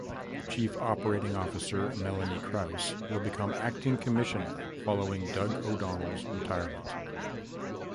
Chief Operating Officer Melanie Krause will become acting Commissioner following Doug O’Donnell's retirement.